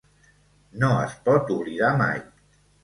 No es pot oblidar mai.